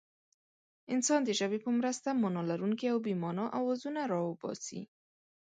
انسان د ژبې په مرسته مانا لرونکي او بې مانا اوازونه را باسي.